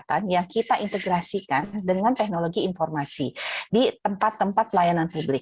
kesehatan yang kita integrasikan dengan teknologi informasi di tempat tempat pelayanan publik